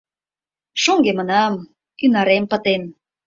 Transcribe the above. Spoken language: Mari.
Шоҥгемынам, ӱнарем пытен.